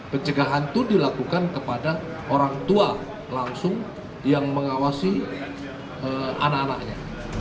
pencegahan itu dilakukan kepada orang tua langsung yang mengawasi anak anaknya